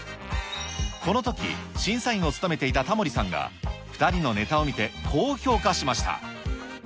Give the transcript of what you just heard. このとき、審査員を務めていたタモリさんが、２人のネタを見てこう評価しました。